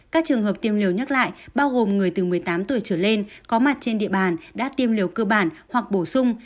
các trường hợp tiêm liều nhắc lại bao gồm người từ một mươi tám tuổi trở lên có mặt trên địa bàn đã tiêm liều cơ bản hoặc bổ sung